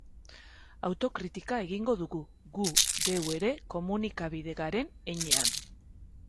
Autokritika egingo dugu, gu geu ere, komunikabide garen heinean.